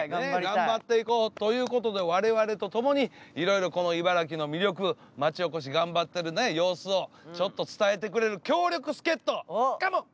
頑張っていこうということで我々とともにいろいろこの茨城の魅力町おこし頑張ってる様子をちょっと伝えてくれる強力助っとカモン！